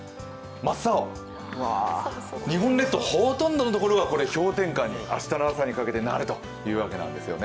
真っ青、日本列島ほとんどのところが明日の朝にかけて氷点下になるということなんですね。